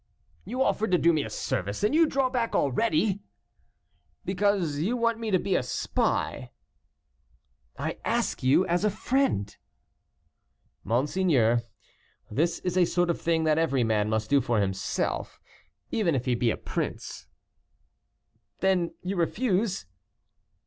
"You offered to do me a service, and you draw back already!" "Because you want me to be a spy." "I ask you as a friend." "Monseigneur, this is a sort of thing that every man must do for himself, even if he be a prince." "Then you refuse?"